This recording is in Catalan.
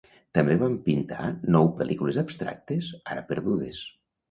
També van pintar nou pel·lícules abstractes, ara perdudes.